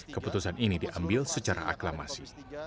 keputusan ini diambil secara aklamasi